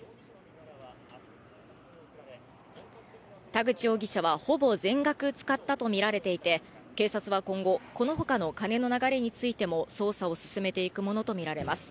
田口容疑者はほぼ全額使ったとみられていて、警察は今後このほかの金の流れについても捜査を進めていくものとみられます。